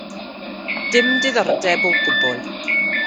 Dim diddordeb o gwbl.